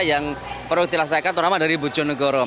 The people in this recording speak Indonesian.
yang perlu dilaksanakan ternyata dari bujonegoro